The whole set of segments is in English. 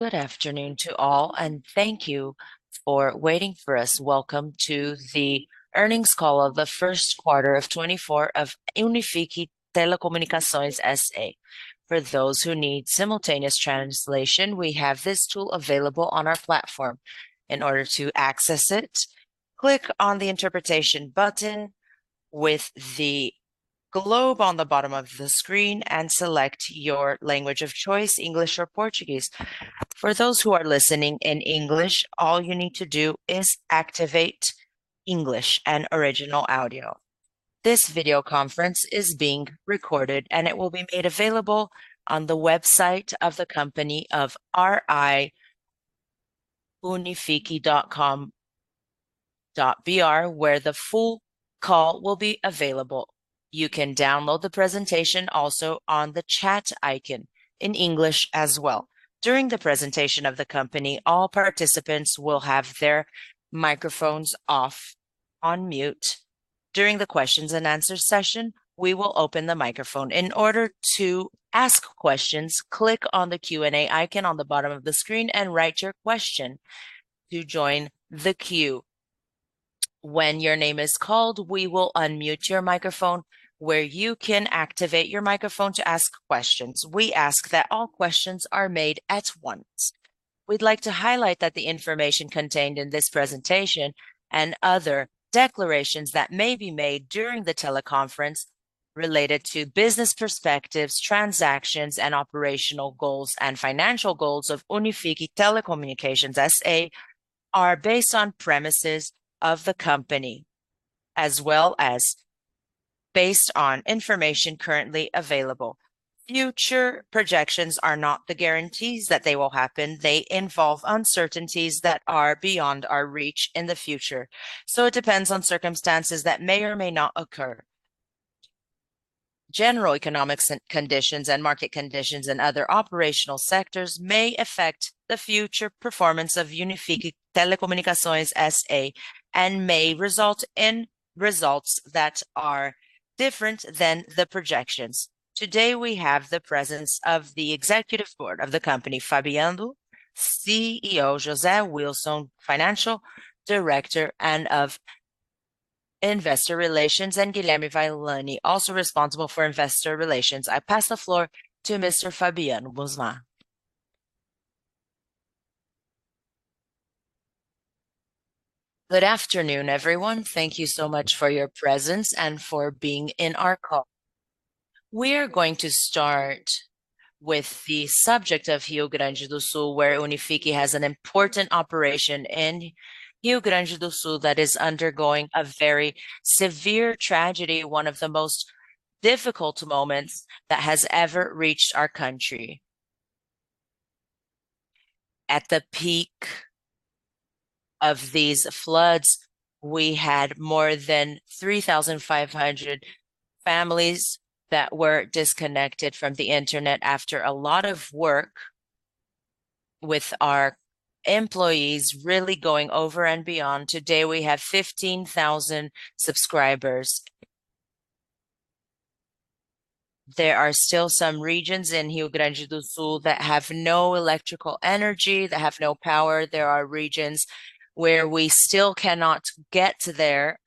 Good afternoon to all, and thank you for waiting for us. Welcome to the earnings call of the first quarter of 2024 of Unifique Telecomunicações SA For those who need simultaneous translation, we have this tool available on our platform. In order to access it, click on the interpretation button with the globe on the bottom of the screen and select your language of choice, English or Portuguese. For those who are listening in English, all you need to do is activate English and original audio. This video conference is being recorded, and it will be made available on the website of the company of ri.unifique.com.br, where the full call will be available. You can download the presentation also on the chat icon in English as well. During the presentation of the company, all participants will have their microphones off, on mute. During the questions and answer session, we will open the microphone. In order to ask questions, click on the Q&A icon on the bottom of the screen and write your question to join the queue. When your name is called, we will unmute your microphone where you can activate your microphone to ask questions. We ask that all questions are made at once. We'd like to highlight that the information contained in this presentation and other declarations that may be made during the teleconference related to business perspectives, transactions, and operational goals and financial goals of Unifique Telecomunicações S.A. are based on premises of the company, as well as based on information currently available. Future projections are not the guarantees that they will happen. They involve uncertainties that are beyond our reach in the future, so it depends on circumstances that may or may not occur. General economic conditions and market conditions and other operational sectors may affect the future performance of Unifique Telecomunicações S.A. and may result in results that are different than the projections. Today, we have the presence of the executive board of the company, Fabiano, CEO, José Wilson, financial director and of investor relations, and [Guilherme Vaillanti], also responsible for investor relations. I pass the floor to Mr. Fabiano Busnardo. Good afternoon, everyone. Thank you so much for your presence and for being in our call. We are going to start with the subject of Rio Grande do Sul, where Unifique has an important operation in Rio Grande do Sul that is undergoing a very severe tragedy, one of the most difficult moments that has ever reached our country. At the peak of these floods, we had more than 3,500 families that were disconnected from the internet. After a lot of work with our employees really going over and beyond, today we have 15,000 subscribers. There are still some regions in Rio Grande do Sul that have no electrical energy, that have no power. There are regions where we still cannot get to there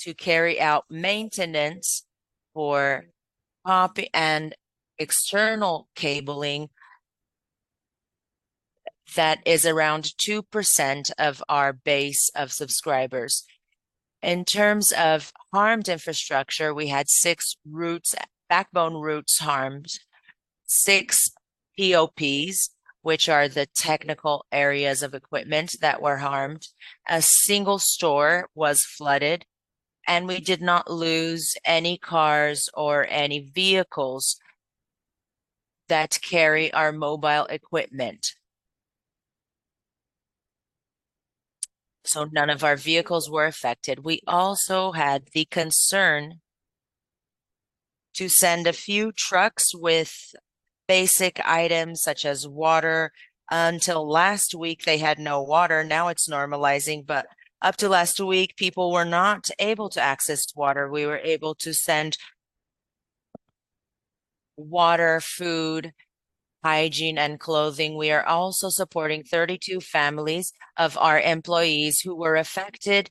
to carry out maintenance for optical and external cabling that is around 2% of our base of subscribers. In terms of harmed infrastructure, we had six routes, backbone routes harmed, six PoPs, which are the technical areas of equipment that were harmed. A single store was flooded, and we did not lose any cars or any vehicles that carry our mobile equipment. None of our vehicles were affected. We also had the concern to send a few trucks with basic items such as water. Until last week, they had no water. Now it's normalizing, but up to last week, people were not able to access water. We were able to send water, food, hygiene, and clothing. We are also supporting 32 families of our employees who were affected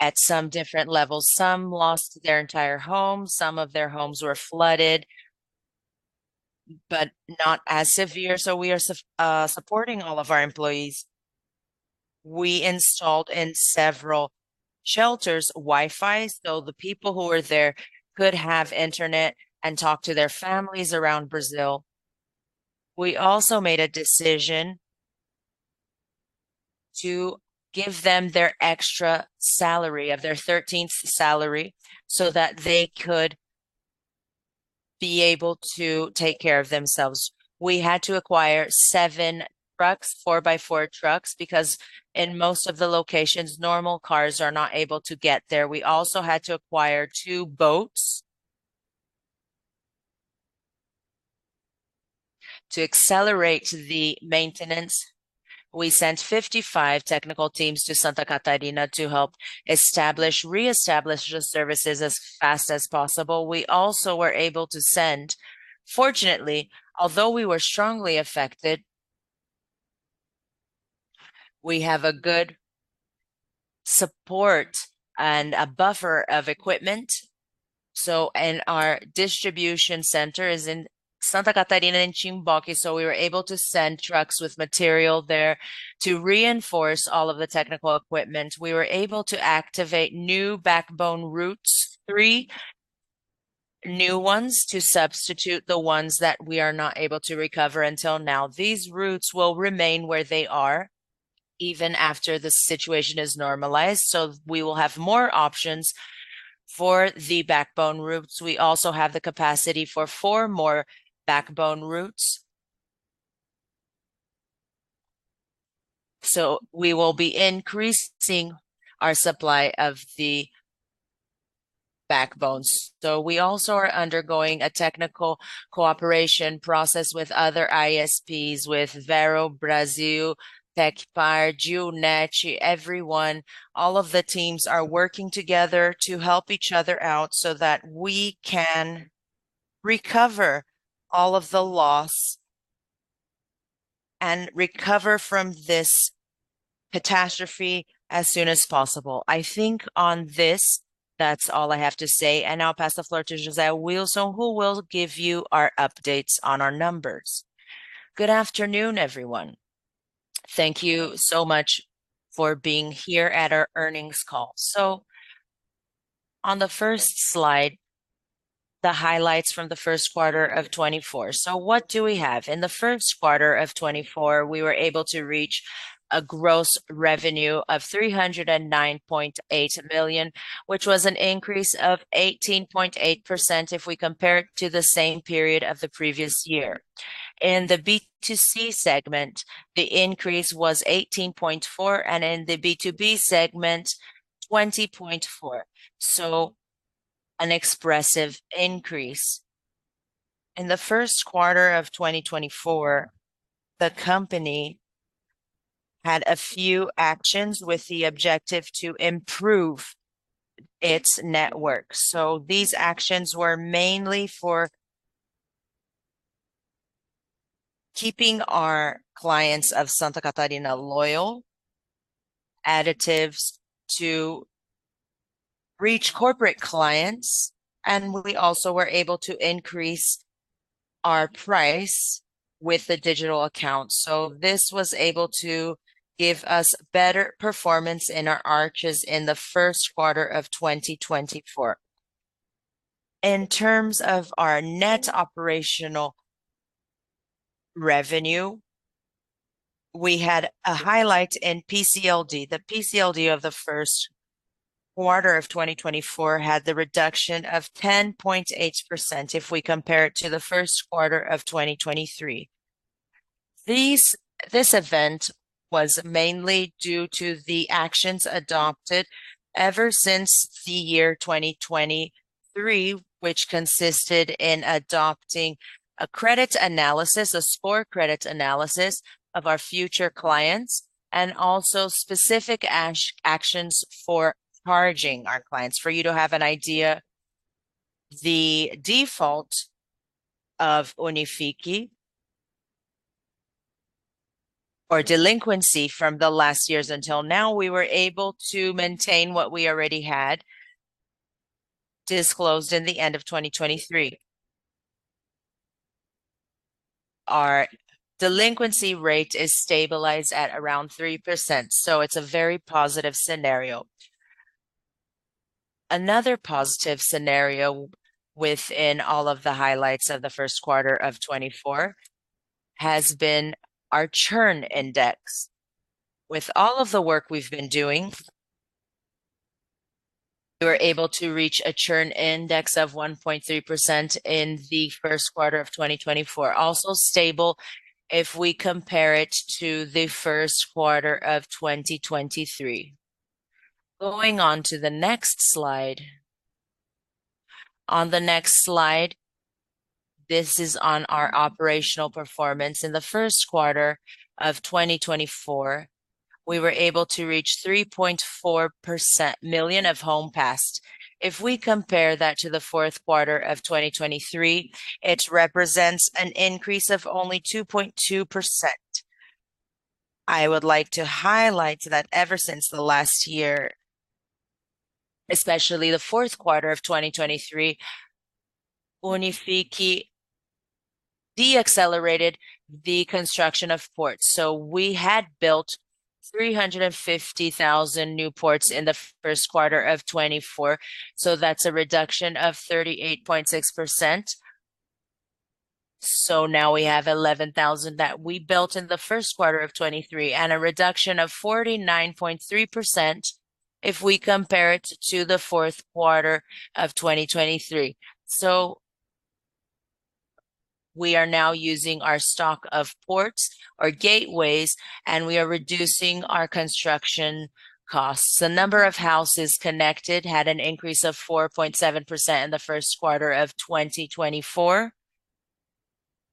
at some different levels. Some lost their entire home. Some of their homes were flooded, but not as severe. We are supporting all of our employees. We installed in several shelters Wi-Fi so the people who were there could have internet and talk to their families around Brazil. We also made a decision to give them their extra salary of their 13th salary so that they could be able to take care of themselves. We had to acquire seven trucks, 4x4 trucks, because in most of the locations, normal cars are not able to get there. We also had to acquire two boats to accelerate the maintenance. We sent 55 technical teams to Santa Catarina to help establish, reestablish the services as fast as possible. We also were able to send. Fortunately, although we were strongly affected, we have a good support and a buffer of equipment. Our distribution center is in Santa Catarina in Timbó, so we were able to send trucks with material there to reinforce all of the technical equipment. We were able to activate new backbone routes, three new ones to substitute the ones that we are not able to recover until now. These routes will remain where they are even after the situation is normalized. We will have more options for the backbone routes. We also have the capacity for four more backbone routes. We will be increasing our supply of the backbones. We also are undergoing a technical cooperation process with other ISPs, with Vero Brazil, TecPar, [Junetti], everyone. All of the teams are working together to help each other out so that we can recover all of the loss and recover from this catastrophe as soon as possible. I think on this, that's all I have to say, and I'll pass the floor to José Wilson, who will give you our updates on our numbers. Good afternoon, everyone. Thank you so much for being here at our earnings call. On the first slide, the highlights from the first quarter of 2024. What do we have? In the first quarter of 2024, we were able to reach a gross revenue of 309.8 million, which was an increase of 18.8% if we compare it to the same period of the previous year. In the B2C segment, the increase was 18.4%, and in the B2B segment, 20.4%. An expressive increase. In the first quarter of 2024, the company had a few actions with the objective to improve its network. These actions were mainly for keeping our clients of Santa Catarina loyal, initiatives to reach corporate clients, and we also were able to increase our price with the digital account. This was able to give us better performance in our [ARPU] in the first quarter of 2024. In terms of our net operational revenue, we had a highlight in PCLD. The PCLD of the first quarter of 2024 had the reduction of 10.8% if we compare it to the first quarter of 2023. This event was mainly due to the actions adopted ever since the year 2023, which consisted in adopting a credit analysis, a score credit analysis of our future clients, and also specific cash actions for charging our clients. For you to have an idea, the default of Unifique or delinquency from the last years until now, we were able to maintain what we already had disclosed in the end of 2023. Our delinquency rate is stabilized at around 3%, so it's a very positive scenario. Another positive scenario within all of the highlights of the first quarter of 2024 has been our churn index. With all of the work we've been doing, we were able to reach a churn index of 1.3% in the first quarter of 2024. Also stable if we compare it to the first quarter of 2023. Going on to the next slide. On the next slide, this is on our operational performance. In the first quarter of 2024, we were able to reach 3.4 million of homes passed. If we compare that to the fourth quarter of 2023, it represents an increase of only 2.2%. I would like to highlight that ever since the last year, especially the fourth quarter of 2023, Unifique decelerated the construction of ports. We had built 350,000 new ports in the first quarter of 2024, so that's a reduction of 38.6%. Now we have 11,000 that we built in the first quarter of 2023 and a reduction of 49.3% if we compare it to the fourth quarter of 2023. We are now using our stock of ports or gateways, and we are reducing our construction costs. The number of houses connected had an increase of 4.7% in the first quarter of 2024.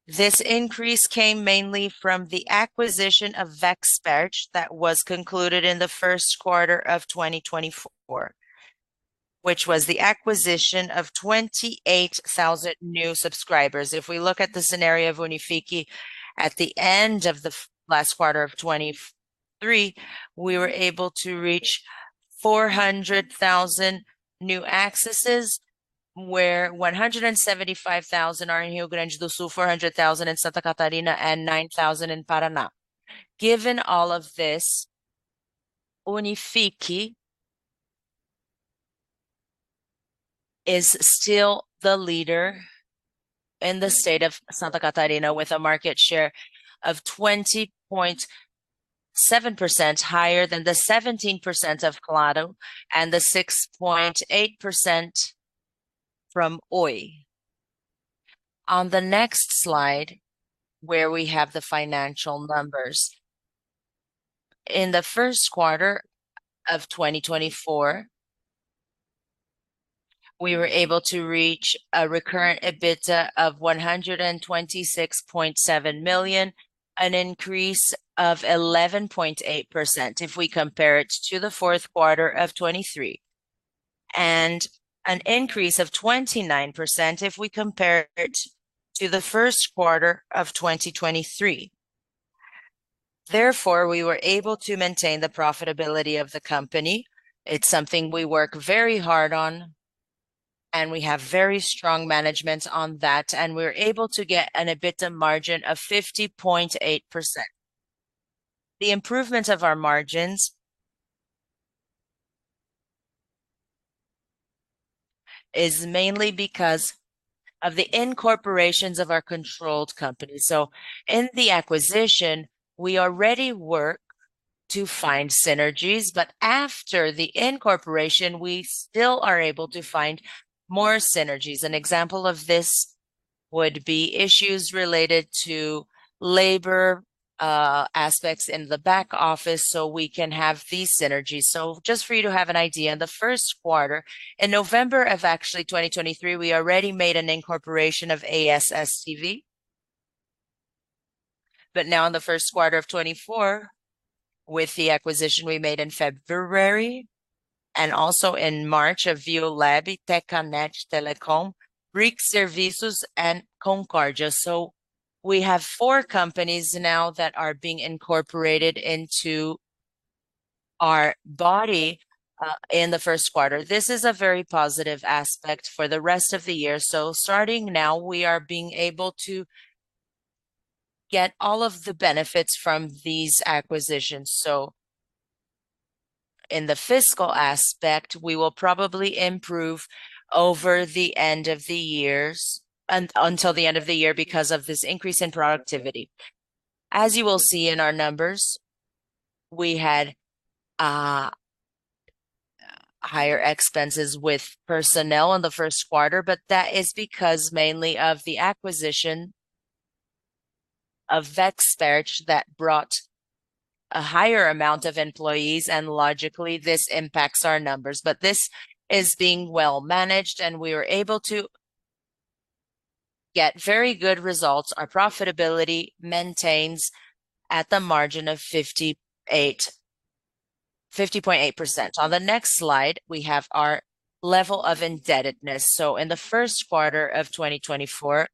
This increase came mainly from the acquisition of Vexpert that was concluded in the first quarter of 2024, which was the acquisition of 28,000 new subscribers. If we look at the scenario of Unifique at the end of the last quarter of 2023, we were able to reach 400,000 new accesses, where 175,000 are in Rio Grande do Sul, 400,000 in Santa Catarina and 9,000 in Paraná. Given all of this, Unifique is still the leader in the state of Santa Catarina with a market share of 20.7%, higher than the 17% of Claro and the 6.8% from Oi. On the next slide, where we have the financial numbers. In the first quarter of 2024, we were able to reach a recurrent EBITDA of 126.7 million, an increase of 11.8% if we compare it to the fourth quarter of 2023, and an increase of 29% if we compare it to the first quarter of 2023. Therefore, we were able to maintain the profitability of the company. It's something we work very hard on, and we have very strong management on that, and we're able to get an EBITDA margin of 50.8%. The improvement of our margins is mainly because of the incorporations of our controlled company. In the acquisition, we already work to find synergies, but after the incorporation, we still are able to find more synergies. An example of this would be issues related to labor aspects in the back office, so we can have these synergies. Just for you to have an idea, in the first quarter, in November of actually 2023, we already made an incorporation of [AXS] TV. Now in the first quarter of 2024, with the acquisition we made in February and also in March of [ViaLab], Tknet Telecom, Brick Serviços, and Concordia. We have four companies now that are being incorporated into our body in the first quarter. This is a very positive aspect for the rest of the year. Starting now, we are being able to get all of the benefits from these acquisitions. In the fiscal aspect, we will probably improve until the end of the year because of this increase in productivity. As you will see in our numbers, we had higher expenses with personnel in the first quarter, but that is because mainly of the acquisition of Vexpert that brought a higher amount of employees, and logically this impacts our numbers. This is being well managed, and we were able to get very good results. Our profitability maintains at the margin of 50.8%. On the next slide, we have our level of indebtedness. In the first quarter of 2024,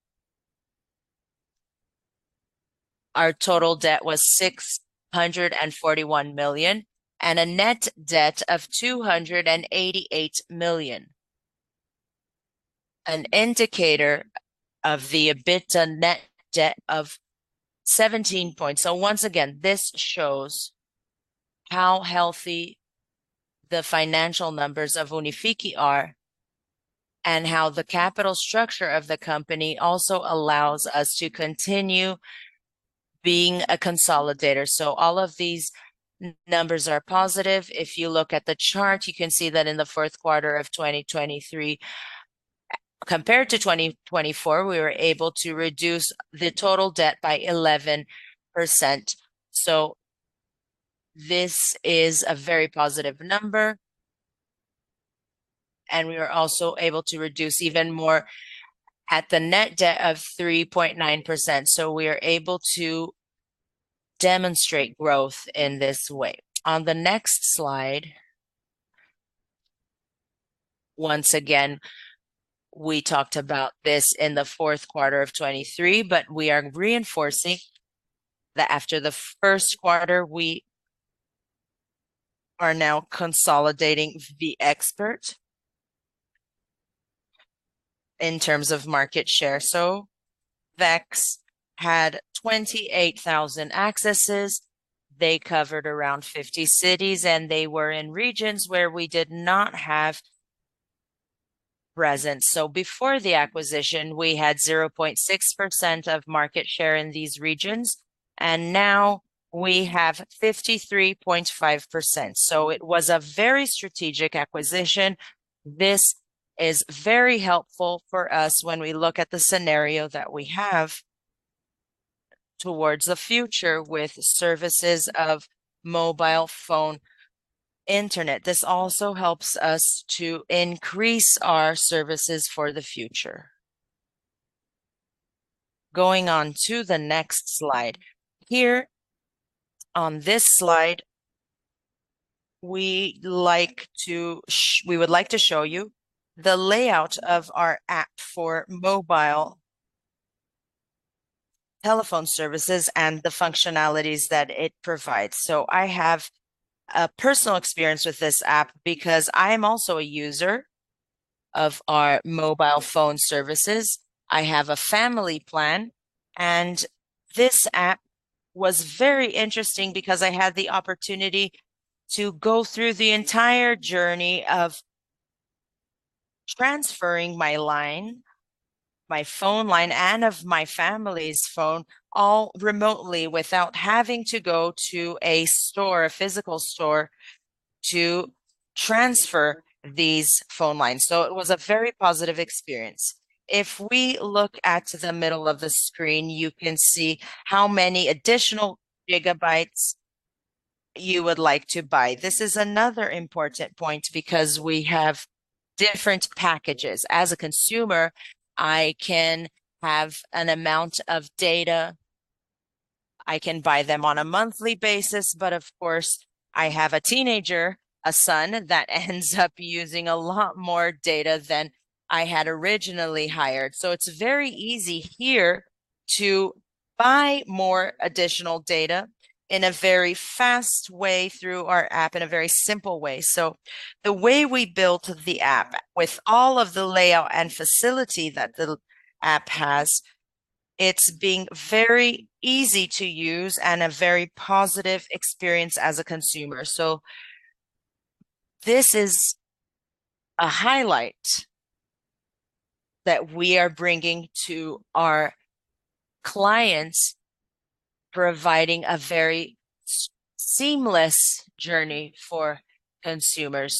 our total debt was 641 million and a net debt of 288 million. Once again, this shows how healthy the financial numbers of Unifique are and how the capital structure of the company also allows us to continue being a consolidator. All of these numbers are positive. If you look at the chart, you can see that in the fourth quarter of 2023 compared to 2024, we were able to reduce the total debt by 11%. This is a very positive number, and we were also able to reduce even more at the net debt of 3.9%. We are able to demonstrate growth in this way. On the next slide, once again, we talked about this in the fourth quarter of 2023, but we are reinforcing that after the first quarter, we are now consolidating Vexpert in terms of market share. Vex had 28,000 accesses. They covered around 50 cities, and they were in regions where we did not have presence. Before the acquisition, we had 0.6% of market share in these regions, and now we have 53.5%. It was a very strategic acquisition. This is very helpful for us when we look at the scenario that we have towards the future with services of mobile phone internet. This also helps us to increase our services for the future. Going on to the next slide. Here on this slide, we would like to show you the layout of our app for mobile telephone services and the functionalities that it provides. I have a personal experience with this app because I am also a user of our mobile phone services. I have a family plan, and this app was very interesting because I had the opportunity to go through the entire journey of transferring my line, my phone line, and of my family's phone all remotely without having to go to a store, a physical store, to transfer these phone lines. It was a very positive experience. If we look at the middle of the screen, you can see how many additional gigabytes you would like to buy. This is another important point, because we have different packages. As a consumer, I can have an amount of data. I can buy them on a monthly basis, but of course, I have a teenager, a son, that ends up using a lot more data than I had originally hired. It's very easy here to buy more additional data in a very fast way through our app, in a very simple way. The way we built the app with all of the layout and facility that the app has, it's being very easy to use and a very positive experience as a consumer. This is a highlight that we are bringing to our clients, providing a very seamless journey for consumers.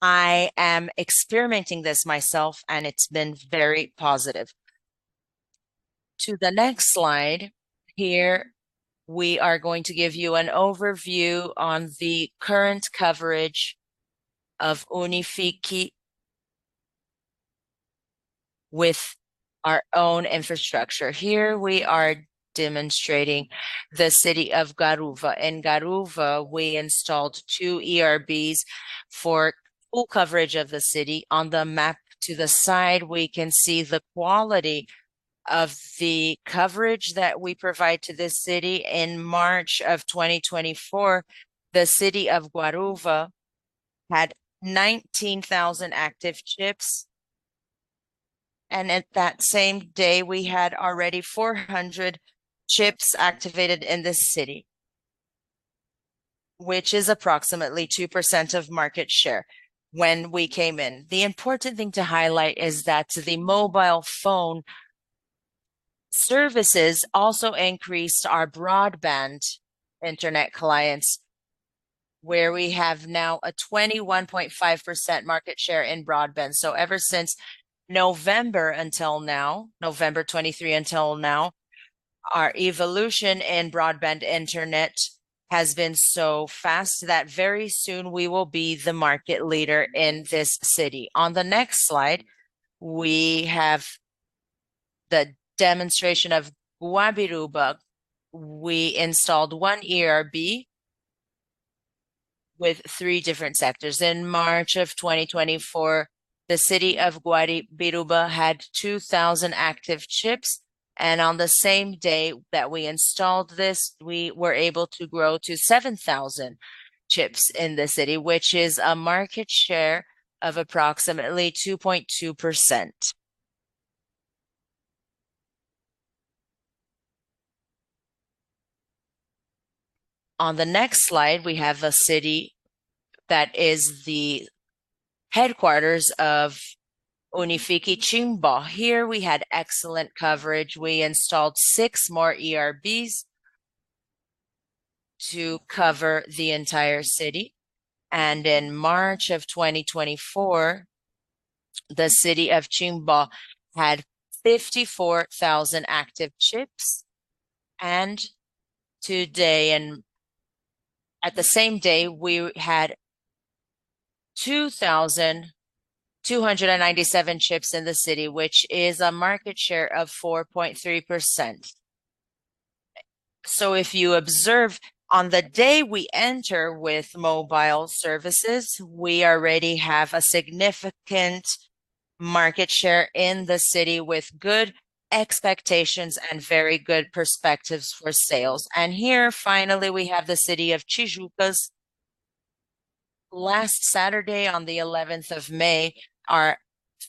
I am experiencing this myself, and it's been very positive. To the next slide. Here we are going to give you an overview on the current coverage of Unifique with our own infrastructure. Here we are demonstrating the city of Garuva. In Garuva, we installed two ERBs for full coverage of the city. On the map to the side, we can see the quality of the coverage that we provide to this city. In March 2024, the city of Garuva had 19,000 active chips, and at that same day we had already 400 chips activated in the city, which is approximately 2% of market share when we came in. The important thing to highlight is that the mobile phone services also increased our broadband internet clients, where we have now a 21.5% market share in broadband. Ever since November until now, November 2023 until now, our evolution in broadband internet has been so fast that very soon we will be the market leader in this city. On the next slide, we have the demonstration of Guabiruba. We installed one ERB with three different sectors. In March 2024, the city of Guabiruba had 2,000 active chips, and on the same day that we installed this, we were able to grow to 7,000 chips in the city, which is a market share of approximately 2.2%. On the next slide, we have a city that is the headquarters of Unifique, Timbó. Here we had excellent coverage. We installed six more ERBs to cover the entire city. In March 2024, the city of Timbó had 54,000 active chips. Today, on the same day, we had 2,297 chips in the city, which is a market share of 4.3%. If you observe on the day we enter with mobile services, we already have a significant market share in the city with good expectations and very good perspectives for sales. Here finally we have the city of Tijucas. Last Saturday on the 11th of May, our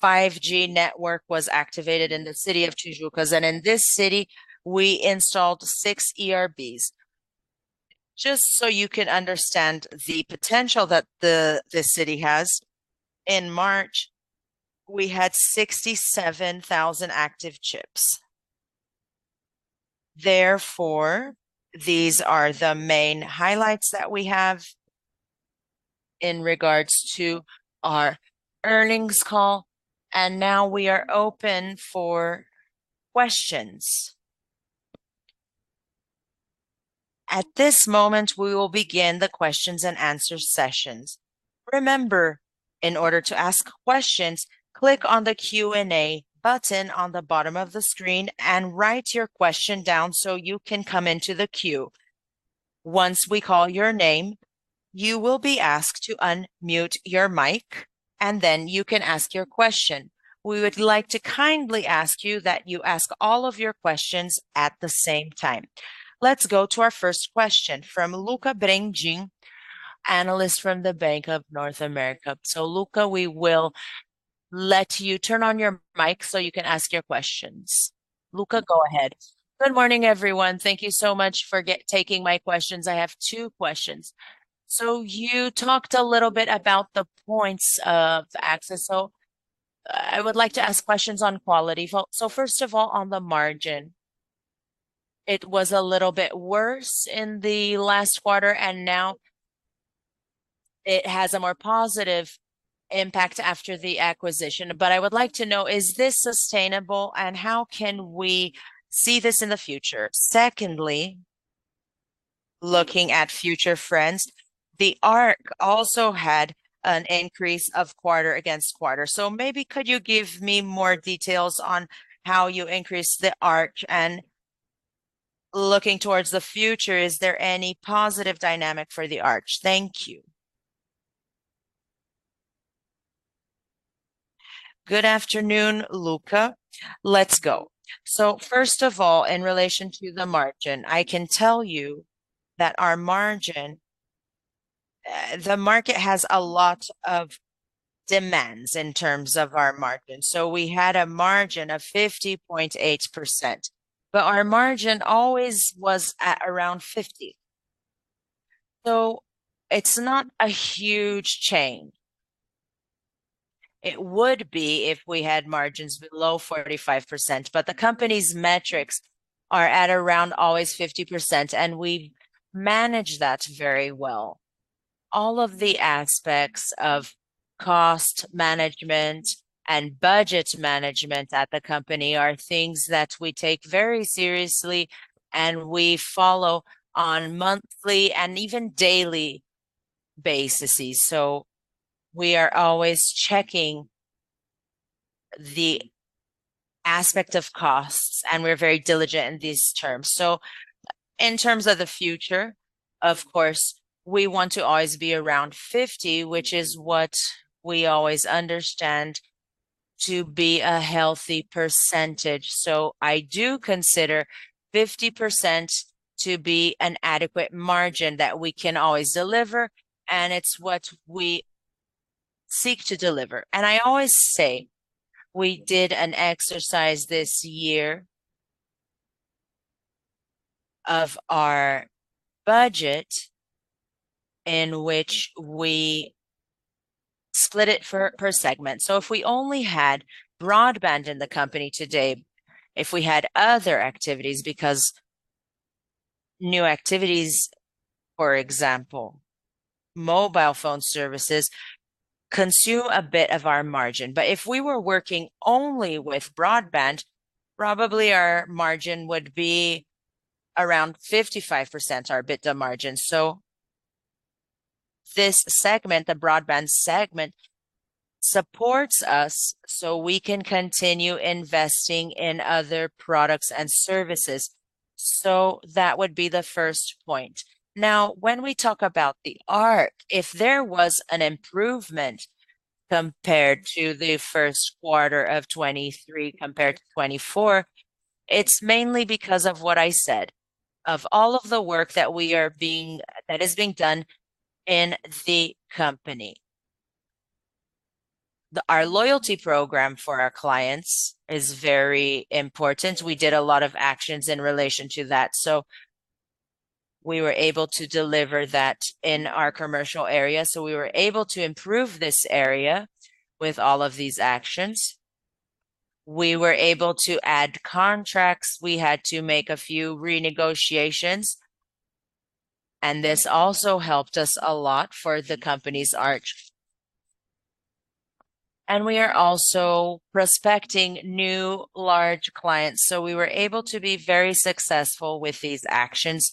5G network was activated in the city of Tijucas, and in this city, we installed six ERBs. Just so you can understand the potential that this city has, in March we had 67,000 active chips. Therefore, these are the main highlights that we have. In regards to our earnings call, now we are open for questions. At this moment, we will begin the questions and answers sessions. Remember, in order to ask questions, click on the Q&A button on the bottom of the screen and write your question down so you can come into the queue. Once we call your name, you will be asked to unmute your mic, and then you can ask your question. We would like to kindly ask you that you ask all of your questions at the same time. Let's go to our first question from Lucca Brendim, Analyst, Bank of America. Lucca, we will let you turn on your mic so you can ask your questions. Lucca, go ahead. Good morning, everyone. Thank you so much for taking my questions. I have two questions. You talked a little bit about the points of access, so I would like to ask questions on quality. First of all, on the margin, it was a little bit worse in the last quarter, and now it has a more positive impact after the acquisition. I would like to know, is this sustainable, and how can we see this in the future? Secondly, looking at future trends, the ARPU also had an increase quarter-over-quarter. Maybe could you give me more details on how you increased the ARPU, and looking towards the future, is there any positive dynamic for the ARPU? Thank you. Good afternoon, Lucca. Let's go. First of all, in relation to the margin, I can tell you that our margin, the market has a lot of demands in terms of our margin. We had a margin of 50.8%, but our margin always was at around 50%. It's not a huge change. It would be if we had margins below 45%, but the company's metrics are at around always 50%, and we manage that very well. All of the aspects of cost management and budget management at the company are things that we take very seriously, and we follow on monthly and even daily basis. We are always checking the aspect of costs, and we're very diligent in these terms. In terms of the future, of course, we want to always be around 50%, which is what we always understand to be a healthy percentage. I do consider 50% to be an adequate margin that we can always deliver, and it's what we seek to deliver. I always say we did an exercise this year of our budget in which we split it per segment. If we only had broadband in the company today, if we had other activities, because new activities, for example, mobile phone services, consume a bit of our margin. If we were working only with broadband, probably our margin would be around 55%, our EBITDA margin. This segment, the broadband segment, supports us so we can continue investing in other products and services. That would be the first point. Now, when we talk about the ARPU, if there was an improvement compared to the first quarter of 2023 compared to 2024, it's mainly because of what I said, of all of the work that is being done in the company. Our loyalty program for our clients is very important. We did a lot of actions in relation to that, so we were able to deliver that in our commercial area. We were able to improve this area with all of these actions. We were able to add contracts. We had to make a few renegotiations, and this also helped us a lot for the company's ARPU. We are also prospecting new large clients. We were able to be very successful with these actions,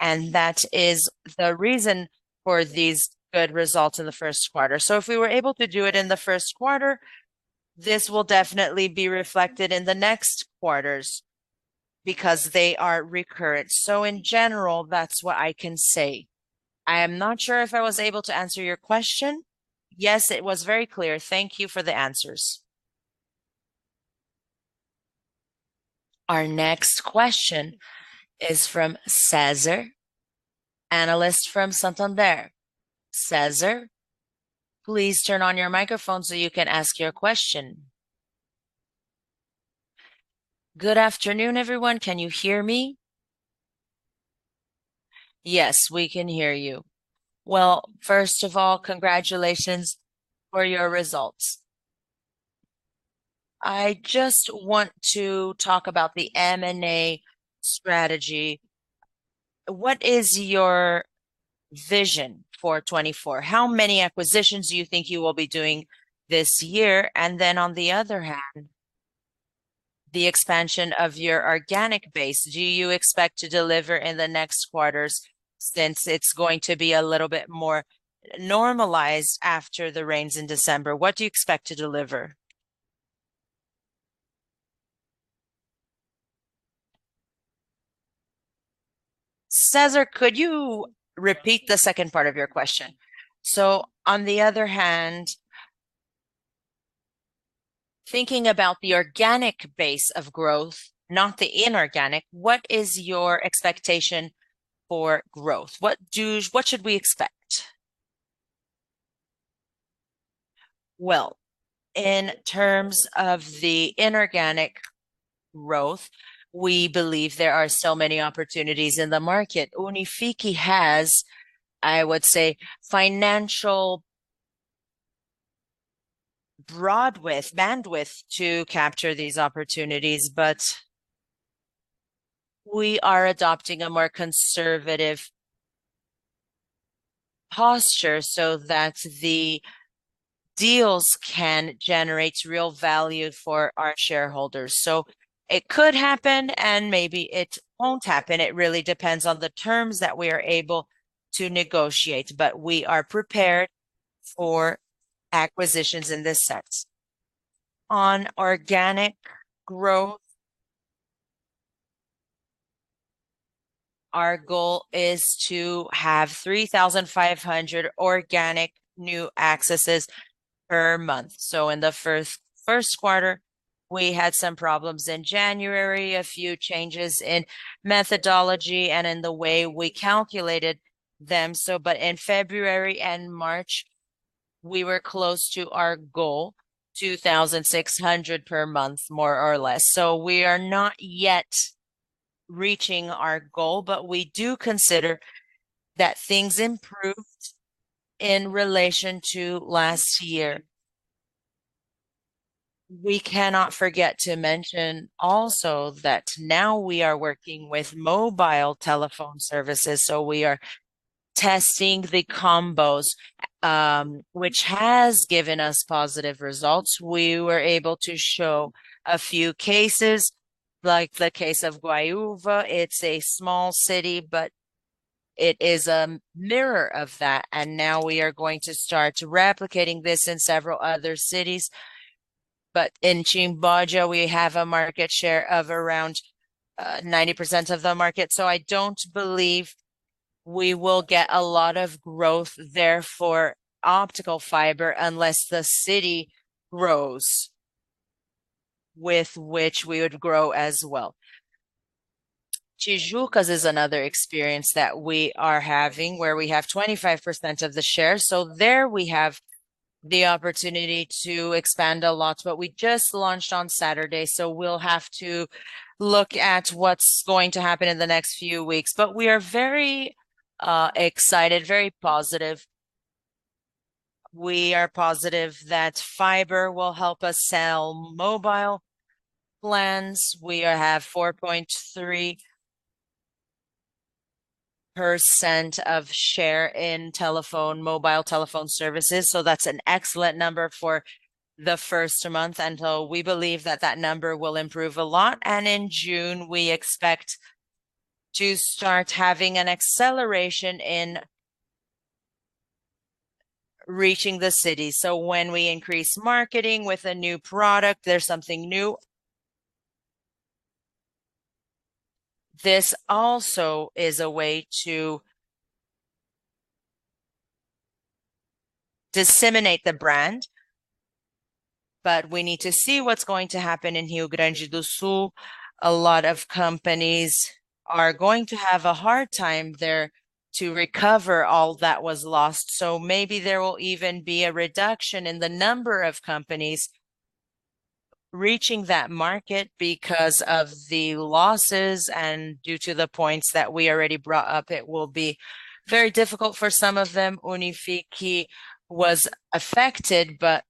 and that is the reason for these good results in the first quarter. If we were able to do it in the first quarter, this will definitely be reflected in the next quarters because they are recurrent. In general, that's what I can say. I am not sure if I was able to answer your question. Yes, it was very clear. Thank you for the answers. Our next question is from César, Analyst from Santander. César, please turn on your microphone so you can ask your question. Good afternoon, everyone. Can you hear me? Yes, we can hear you. Well, first of all, congratulations for your results. I just want to talk about the M&A strategy. What is your vision for 2024? How many acquisitions do you think you will be doing this year? On the other hand, the expansion of your organic base, do you expect to deliver in the next quarters since it's going to be a little bit more normalized after the rains in December? What do you expect to deliver? Cesar, could you repeat the second part of your question? On the other hand, thinking about the organic base of growth, not the inorganic, what is your expectation for growth? What should we expect? Well, in terms of the inorganic growth, we believe there are so many opportunities in the market. Unifique has, I would say, financial bandwidth to capture these opportunities, but we are adopting a more conservative posture so that the deals can generate real value for our shareholders. It could happen, and maybe it won't happen. It really depends on the terms that we are able to negotiate, but we are prepared for acquisitions in this sense. On organic growth, our goal is to have 3,500 organic new accesses per month. In the first quarter, we had some problems in January, a few changes in methodology and in the way we calculated them, but in February and March, we were close to our goal, 2,600 per month, more or less. We are not yet reaching our goal, but we do consider that things improved in relation to last year. We cannot forget to mention also that now we are working with mobile telephone services, so we are testing the combos, which has given us positive results. We were able to show a few cases, like the case of Garuva. It's a small city, but it is a mirror of that, and now we are going to start replicating this in several other cities. In Timbó, we have a market share of around 90% of the market, so I don't believe we will get a lot of growth there for optical fiber unless the city grows, with which we would grow as well. Tijucas is another experience that we are having, where we have 25% of the shares. So there we have the opportunity to expand a lot. We just launched on Saturday, so we'll have to look at what's going to happen in the next few weeks. We are very excited, very positive. We are positive that fiber will help us sell mobile plans. We have 4.3% of share in telephone, mobile telephone services, so that's an excellent number for the first month until we believe that that number will improve a lot. In June, we expect to start having an acceleration in reaching the city. When we increase marketing with a new product, there's something new. This also is a way to disseminate the brand, but we need to see what's going to happen in Rio Grande do Sul. A lot of companies are going to have a hard time there to recover all that was lost. Maybe there will even be a reduction in the number of companies reaching that market because of the losses and due to the points that we already brought up. It will be very difficult for some of them. Unifique was affected, but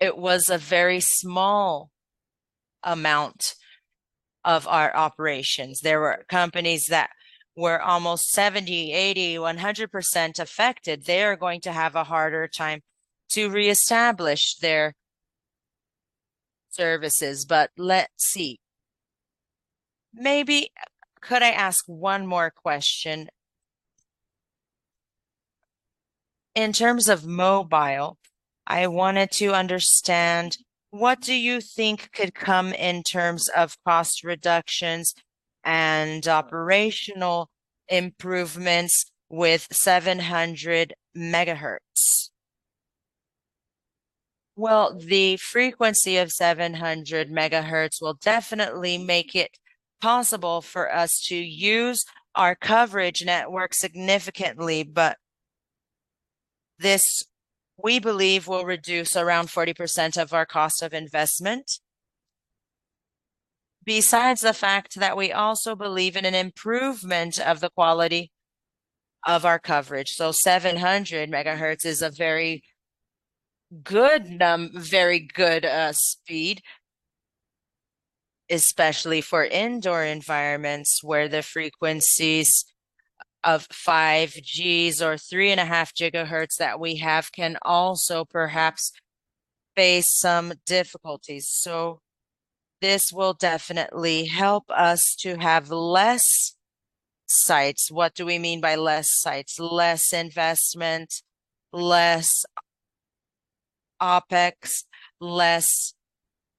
it was a very small amount of our operations. There were companies that were almost 70%, 80%, 100% affected. They are going to have a harder time to reestablish their services. Let's see. Maybe could I ask one more question? In terms of mobile, I wanted to understand what do you think could come in terms of cost reductions and operational improvements with 700 MHz? Well, the frequency of 700 MHz will definitely make it possible for us to use our coverage network significantly. This, we believe, will reduce around 40% of our cost of investment. Besides the fact that we also believe in an improvement of the quality of our coverage. 700 MHz is a very good, very good speed, especially for indoor environments where the frequencies of 5G or 3.5 HGz that we have can also perhaps face some difficulties. This will definitely help us to have less sites. What do we mean by less sites? Less investment, less CapEx, less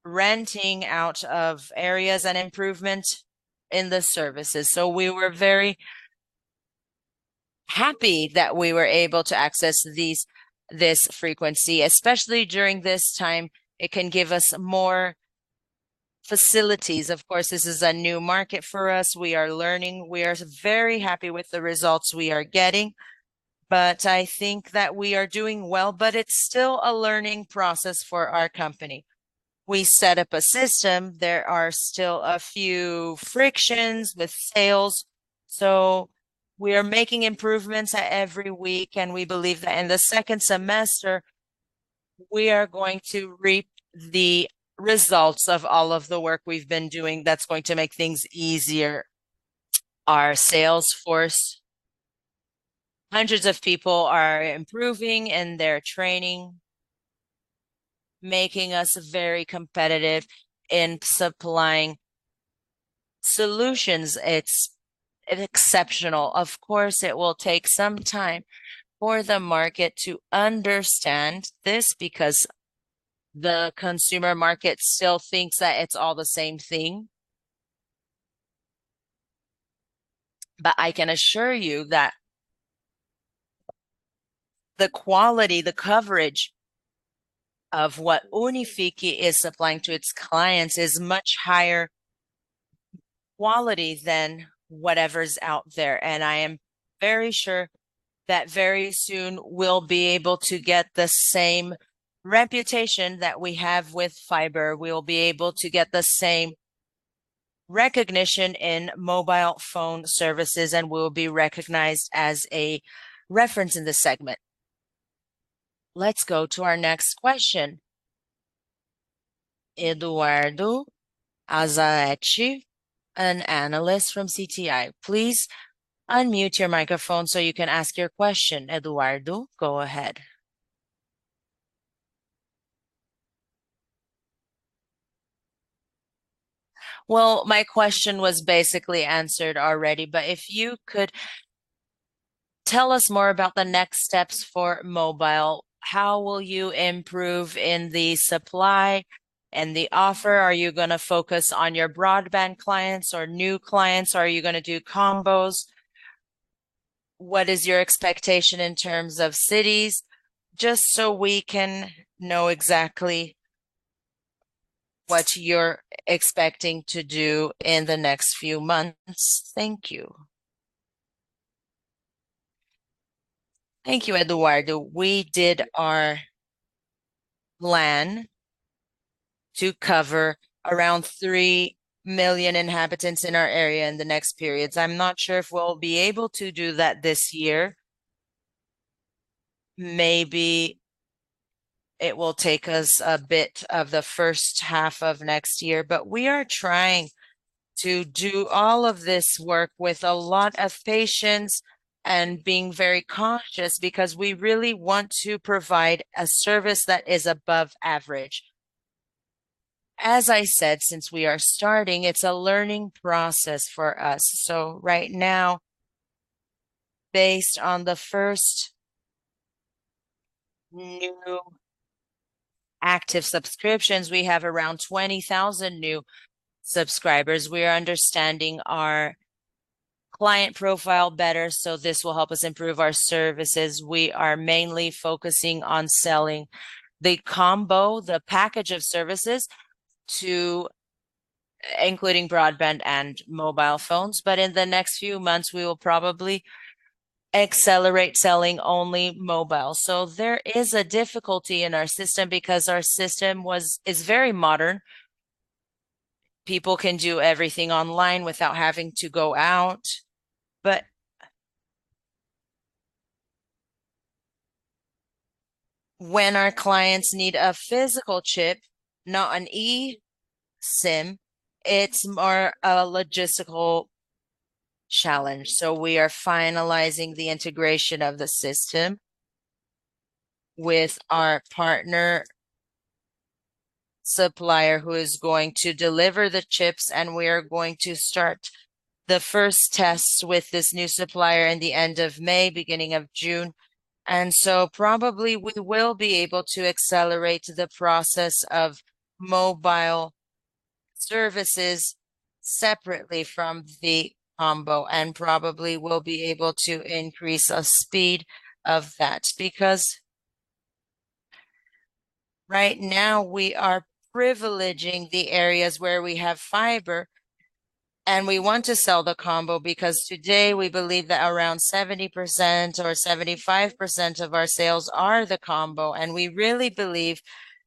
renting out of areas, and improvement in the services. We were very happy that we were able to access this frequency, especially during this time. It can give us more facilities. Of course, this is a new market for us. We are learning. We are very happy with the results we are getting, but I think that we are doing well, but it's still a learning process for our company. We set up a system. There are still a few frictions with sales, so we are making improvements every week, and we believe that in the second semester, we are going to reap the results of all of the work we've been doing that's going to make things easier. Our sales force, hundreds of people are improving in their training, making us very competitive in supplying solutions. It's exceptional. Of course, it will take some time for the market to understand this because the consumer market still thinks that it's all the same thing. I can assure you that the quality, the coverage of what Unifique is supplying to its clients is much higher quality than whatever's out there. I am very sure that very soon we'll be able to get the same reputation that we have with fiber. We will be able to get the same recognition in mobile phone services and will be recognized as a reference in this segment. Let's go to our next question. [Eduardo Azhaechi, an analyst from CTI]. Please unmute your microphone so you can ask your question. Eduardo, go ahead. Well, my question was basically answered already, but if you could tell us more about the next steps for mobile. How will you improve in the supply and the offer? Are you gonna focus on your broadband clients or new clients? Are you gonna do combos? What is your expectation in terms of cities? Just so we can know exactly what you're expecting to do in the next few months. Thank you. Thank you, Eduardo. We did our plan to cover around 3 million inhabitants in our area in the next periods. I'm not sure if we'll be able to do that this year. Maybe it will take us a bit of the first half of next year, but we are trying to do all of this work with a lot of patience and being very cautious because we really want to provide a service that is above average. As I said, since we are starting, it's a learning process for us. Right now, based on the first new active subscriptions, we have around 20,000 new subscribers. We are understanding our client profile better, so this will help us improve our services. We are mainly focusing on selling the combo, the package of services, including broadband and mobile phones, but in the next few months we will probably accelerate selling only mobile. There is a difficulty in our system because our system is very modern. People can do everything online without having to go out. When our clients need a physical chip, not an eSIM, it's more a logistical challenge. We are finalizing the integration of the system with our partner supplier who is going to deliver the chips, and we are going to start the first test with this new supplier in the end of May, beginning of June. Probably we will be able to accelerate the process of mobile services separately from the combo, and probably we'll be able to increase our speed of that. Because right now we are privileging the areas where we have fiber. We want to sell the combo because today we believe that around 70% or 75% of our sales are the combo, and we really believe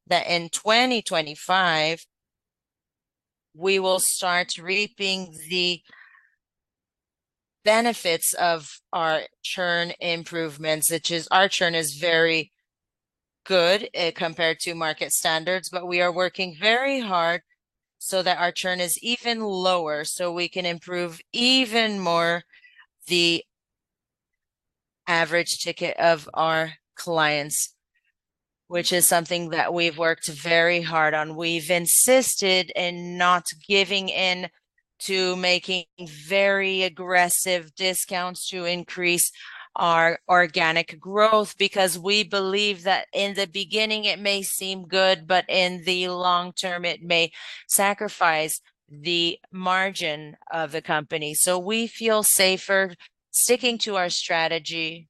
that in 2025, we will start reaping the benefits of our churn improvements, which is our churn is very good, compared to market standards, but we are working very hard so that our churn is even lower, so we can improve even more the average ticket of our clients, which is something that we've worked very hard on. We've insisted in not giving in to making very aggressive discounts to increase our organic growth because we believe that in the beginning it may seem good, but in the long term, it may sacrifice the margin of the company. We feel safer sticking to our strategy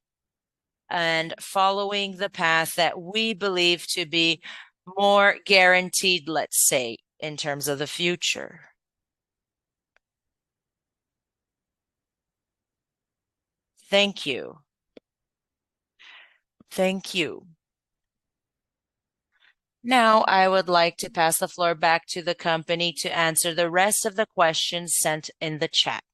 and following the path that we believe to be more guaranteed, let's say, in terms of the future. Thank you. Thank you. Now I would like to pass the floor back to the company to answer the rest of the questions sent in the chat.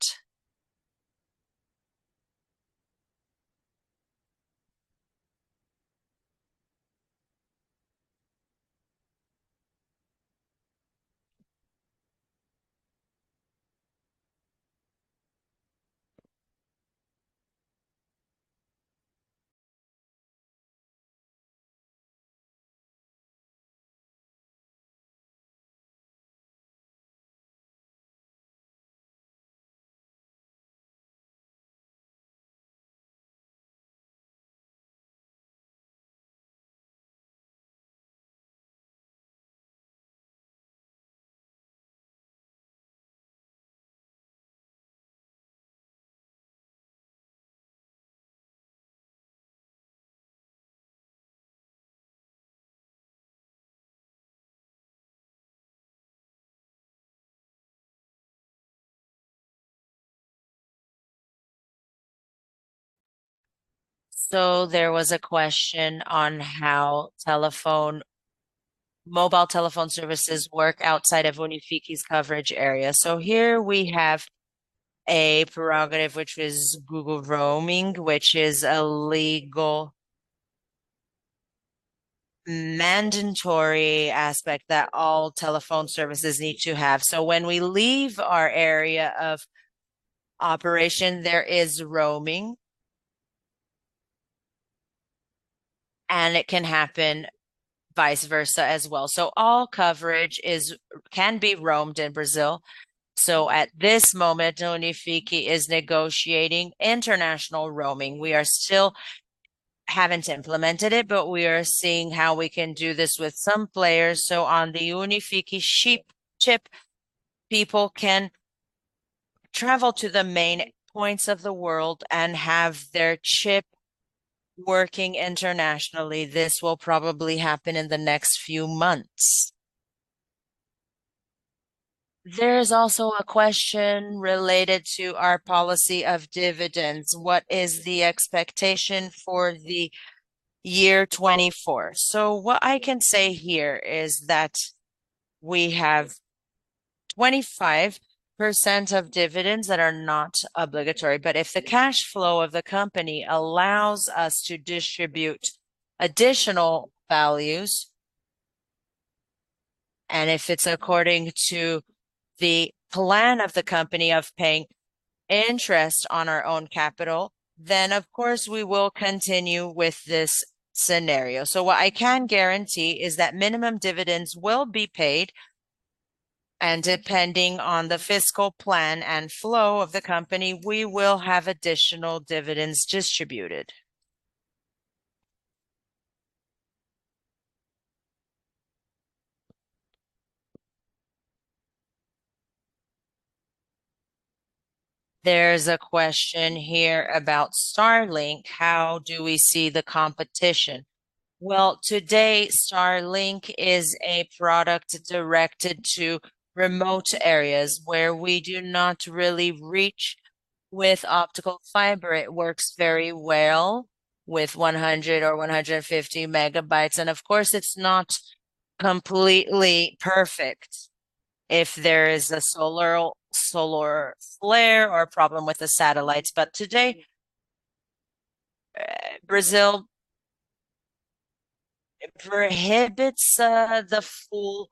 There was a question on how mobile telephone services work outside of Unifique's coverage area. Here we have a prerogative, which is Global Roaming, which is a legal mandatory aspect that all telephone services need to have. When we leave our area of operation, there is roaming, and it can happen vice versa as well. All coverage can be roamed in Brazil. At this moment, Unifique is negotiating international roaming. We are still haven't implemented it, but we are seeing how we can do this with some players. On the Unifique chip, people can travel to the main points of the world and have their chip working internationally. This will probably happen in the next few months. There is also a question related to our policy of dividends. What is the expectation for the year 2024? What I can say here is that we have 25% of dividends that are not obligatory, but if the cash flow of the company allows us to distribute additional values, and if it's according to the plan of the company of paying interest on our own capital, then of course, we will continue with this scenario. What I can guarantee is that minimum dividends will be paid, and depending on the fiscal plan and flow of the company, we will have additional dividends distributed. There's a question here about Starlink. How do we see the competition? Well, today, Starlink is a product directed to remote areas where we do not really reach with optical fiber. It works very well with 100 or 150 MB. Of course, it's not completely perfect if there is a solar flare or a problem with the satellites. Today, Brazil prohibits the full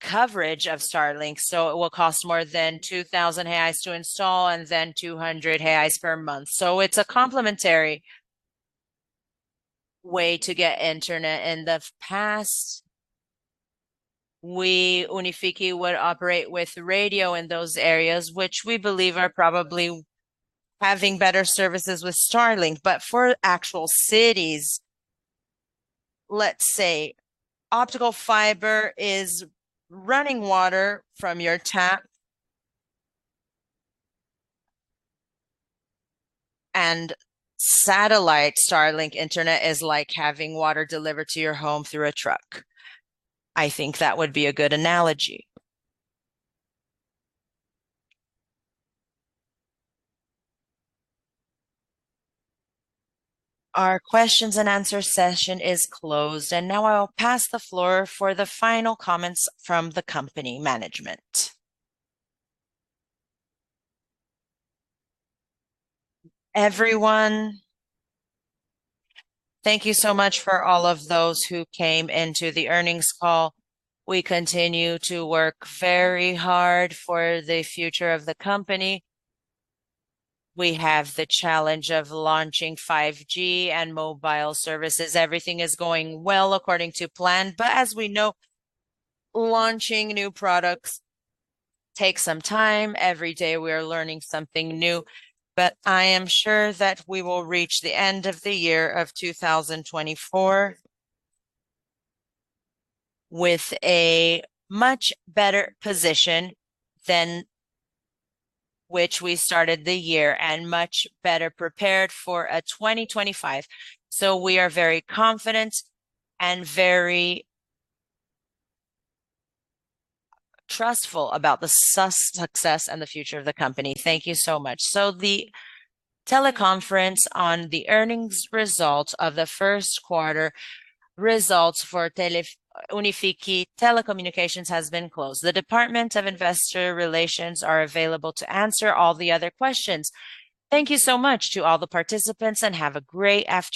coverage of Starlink, so it will cost more than 2,000 reais to install and then 200 reais per month. It's a complementary way to get internet. In the past, we, Unifique, would operate with radio in those areas which we believe are probably having better services with Starlink. For actual cities, let's say optical fiber is running water from your tap, and satellite Starlink internet is like having water delivered to your home through a truck. I think that would be a good analogy. Our questions and answer session is closed, and now I will pass the floor for the final comments from the company management. Everyone, thank you so much for all of those who came into the earnings call. We continue to work very hard for the future of the company. We have the challenge of launching 5G and mobile services. Everything is going well according to plan. As we know, launching new products takes some time. Every day we are learning something new. I am sure that we will reach the end of the year of 2024 with a much better position than which we started the year and much better prepared for twenty twenty-five. We are very confident and very trustful about the success and the future of the company. Thank you so much. The teleconference on the earnings results of the first quarter results for Unifique Telecomunicações has been closed. The Department of Investor Relations are available to answer all the other questions. Thank you so much to all the participants, and have a great afternoon.